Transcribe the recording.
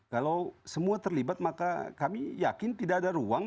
kalau semua terlibat maka kami yakin tidak ada ruang